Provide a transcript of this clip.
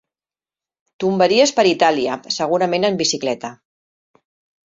Tombaries per Itàlia, segurament en bicicleta.